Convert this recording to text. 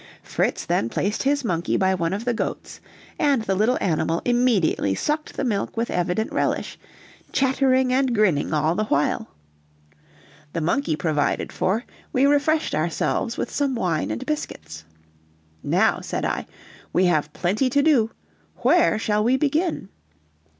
Fritz then placed his monkey by one of the goats, and the little animal immediately sucked the milk with evident relish, chattering and grinning all the while; the monkey provided for, we refreshed ourselves with some wine and biscuits. "Now," said I, "we have plenty to do; where shall we begin?"